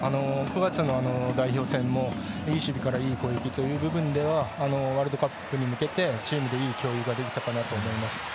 ９月の代表戦もいい守備からいい攻撃という部分ではワールドカップに向けてチームでいい共有ができたかなと思います。